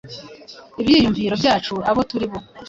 ibyiyumvo byacu, abo turi bo.